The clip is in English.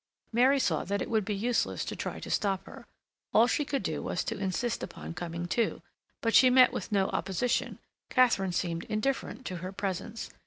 Mary saw that it would be useless to try to stop her. All she could do was to insist upon coming too, but she met with no opposition; Katharine seemed indifferent to her presence.